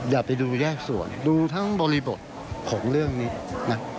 อย่าไปดูแยกส่วนดูทั้งบริบทของเรื่องนี้นะ